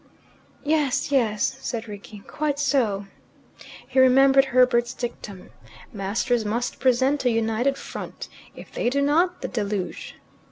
"Yes, yes," said Rickie; "quite so." He remembered Herbert's dictum: "Masters must present a united front. If they do not the deluge."